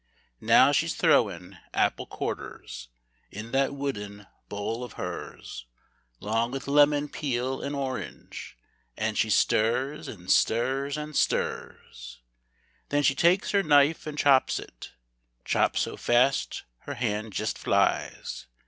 Now she's throwin' apple quarters In that wooden bowl of hers, 'Long with lemon peel and orange, An' she stirs, an' stirs, an' stirs. Then she takes her knife an' chops it, Chops so fast her hand jest flies.